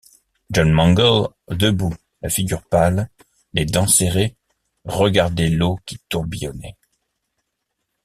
John Mangles, debout, la figure pâle, les dents serrées, regardait l’eau qui tourbillonnait.